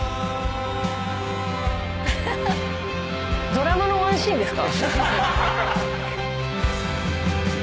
ドラマのワンシーンですか？